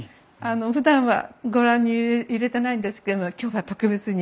ふだんはご覧に入れてないんですけれども今日は特別に。